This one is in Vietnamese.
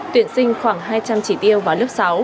tuyển sinh khoảng hai trăm linh chỉ tiêu vào lớp sáu